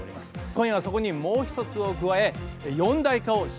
今夜はそこにもう１つを加え四大化を審議・検討します。